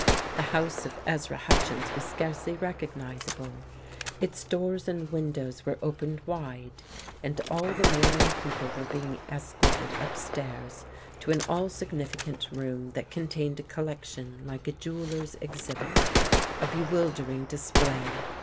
The house of Ezra Hutchins was scarcely recognizable: its doors and windows were opened wide, and all the morning people were being escorted upstairs to an all significant room that contained a collection like a jeweller's exhibit, a bewildering display.